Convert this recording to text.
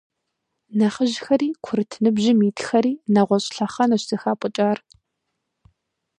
Нэхъыжьхэри курыт ныбжьым итхэри нэгъуэщӀ лъэхъэнэщ зыхапӀыкӀар.